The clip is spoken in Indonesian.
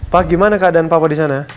pak gimana keadaan papa di sana